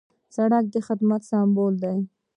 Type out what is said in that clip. سړک د خدمت سمبول دی.